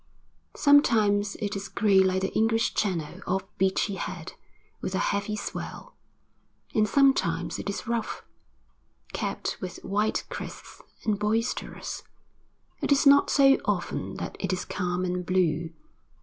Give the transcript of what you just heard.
Sometimes it is grey like the English Channel off Beachy Head, with a heavy swell, and sometimes it is rough, capped with white crests, and boisterous. It is not so often that it is calm and blue.